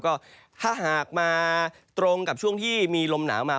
ก็ถ้าหากมาตรงกับช่วงที่มีลมหนาวมา